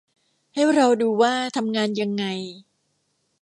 ให้เราดูว่าทำงานยังไง